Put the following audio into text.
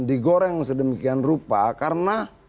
digoreng sedemikian rupa karena